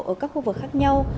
ở các khu vực khác nhau